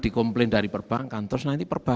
dikomplain dari perbankan terus nanti